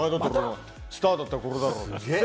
スターだったら、これだろうみたいな。